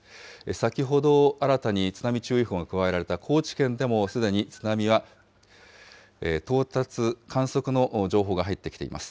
先ほど新たに津波注意報が加えられた高知県でもすでに津波は到達、観測の情報が入ってきています。